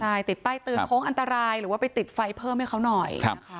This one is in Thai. ใช่ติดป้ายเตือนโค้งอันตรายหรือว่าไปติดไฟเพิ่มให้เขาหน่อยนะคะ